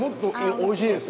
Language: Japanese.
おいしいです。